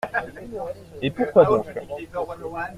Et pourquoi donc ?